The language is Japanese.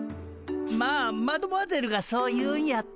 まあマドモアゼルがそう言うんやったら。